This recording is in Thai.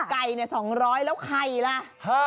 ไก่เนี่ยสองร้อยแล้วไข่ล่ะ